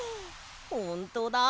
ほんとだ。